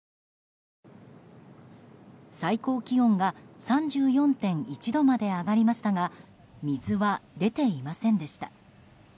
最高気温が３４．１度まで上がりましたが水は出ていませんでした。